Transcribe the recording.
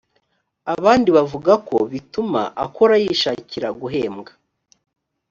abandi bavuga ko bituma akora yishakira guhembwa